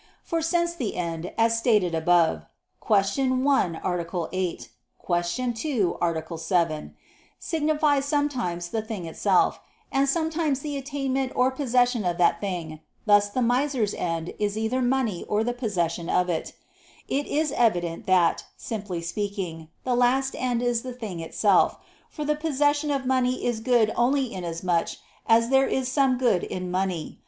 For since the end, as stated above (Q. 1, A. 8; Q. 2, A. 7), signifies sometimes the thing itself, and sometimes the attainment or possession of that thing (thus the miser's end is either money or the possession of it); it is evident that, simply speaking, the last end is the thing itself; for the possession of money is good only inasmuch as there is some good in money.